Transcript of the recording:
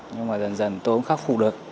nhưng mà dần dần tôi cũng khắc phục được